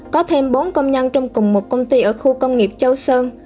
có thêm bốn công nhân trong cùng một công ty ở khu công nghiệp châu sơn